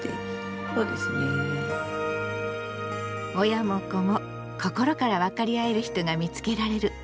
親も子も心から分かり合える人が見つけられる。